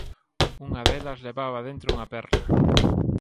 Unha delas levaba dentro unha perla.